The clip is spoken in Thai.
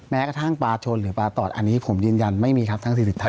แม้กระทั่งปลาชนหรือปลาตอดอันนี้ผมยืนยันไม่มีครับทั้ง๔ท่าน